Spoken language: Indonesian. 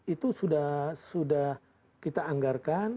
itu sudah kita anggarkan